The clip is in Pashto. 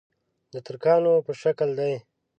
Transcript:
د ترکانو په شکل دي.